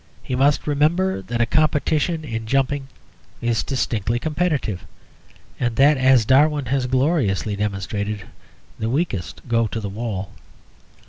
He must remember that a competition in jumping is distinctly competitive, and that, as Darwin has gloriously demonstrated, THE WEAKEST GO TO THE WALL."